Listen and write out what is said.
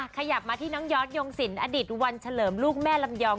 ขยับมาที่น้องยอดยงสินอดิตวันเฉลิมลูกแม่ลำยอง